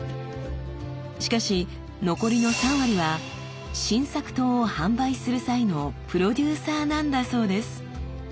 しかし残りの３割は新作刀を販売する際のプロデューサーなんだそうです。